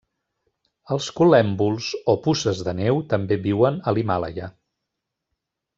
Els col·lèmbols, o puces de neu, també viuen a l'Himàlaia.